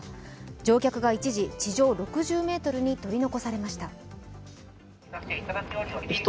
乗客が一時地上６０ｍに取り残されました。